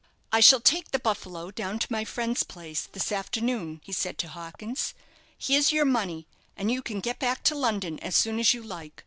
"I shall take the 'Buffalo' down to my friend's place this afternoon," he said to Hawkins. "Here's your money, and you can get back to London as soon as you like.